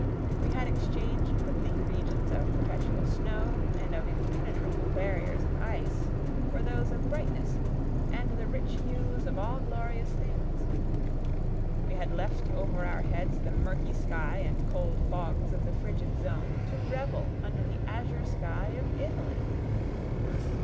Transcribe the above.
We had exchanged the bleak regions of perpetual snow and of impenetrable barriers of ice for those of brightness and 'the rich hues of all glorious things.' We had left over our heads the murky sky and cold fogs of the frigid zone to revel under the azure sky of Italy!